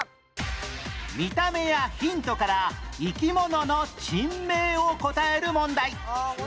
見た目やヒントから生き物の珍名を答える問題